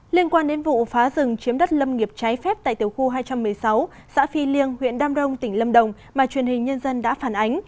liên quan đến vụ phá rừng chiếm đất lâm nghiệp trái phép tại tiểu khu hai trăm một mươi sáu xã phi liêng huyện đam rông tỉnh lâm đồng mà truyền hình nhân dân đã phản ánh